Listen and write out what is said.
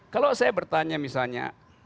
kalau saya bertanya misalnya